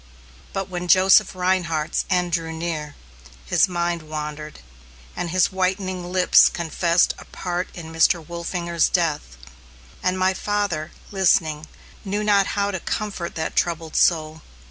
But when Joseph Rhinehart's end drew near, his mind wandered, and his whitening lips confessed a part in Mr. Wolfinger's death; and my father, listening, knew not how to comfort that troubled soul.